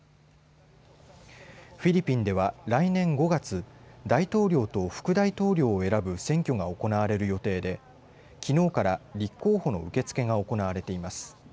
フィリピンでは来年５月大統領と副大統領を選ぶ選挙が行われる予定できのうから立候補の受け付けが行われています。